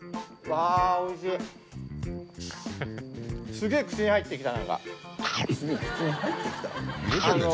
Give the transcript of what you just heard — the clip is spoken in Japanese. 「すげぇ口に入ってきた！」？